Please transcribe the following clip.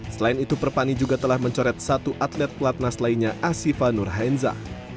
selain itu perpani juga telah mencoret satu atlet pelatnas lainnya asifa nurhainza